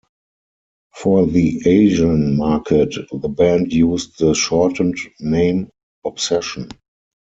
For the Asian market the band used the shortened name, Obsession.